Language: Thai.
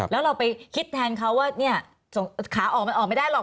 แล้วเราไปคิดแทนเขาว่าเนี่ยขาออกมันออกไม่ได้หรอก